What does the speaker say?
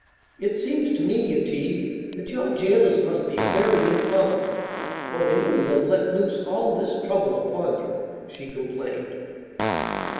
"It seems to me, Yetive, that your jailers must be very incompetent or they wouldn't have let loose all this trouble upon you," she complained.